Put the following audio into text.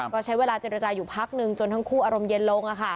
ก็ใช้เวลาเจรจาอยู่พักนึงจนทั้งคู่อารมณ์เย็นลง